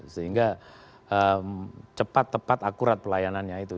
sehingga cepat tepat akurat pelayanannya itu